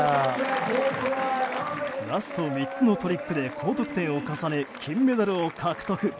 ラスト３つのトリックで高得点を重ね金メダルを獲得。